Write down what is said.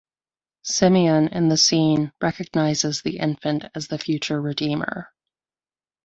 Simeon in the scene recognizes the infant as the future redeemer.